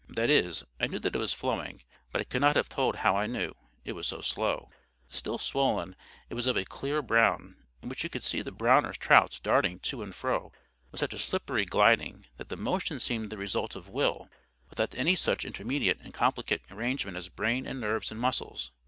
That is, I knew that it was flowing, but I could not have told how I knew, it was so slow. Still swollen, it was of a clear brown, in which you could see the browner trouts darting to and fro with such a slippery gliding, that the motion seemed the result of will, without any such intermediate and complicate arrangement as brain and nerves and muscles.